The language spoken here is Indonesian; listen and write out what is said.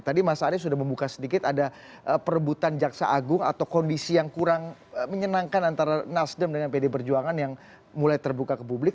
tadi mas arief sudah membuka sedikit ada perebutan jaksa agung atau kondisi yang kurang menyenangkan antara nasdem dengan pd perjuangan yang mulai terbuka ke publik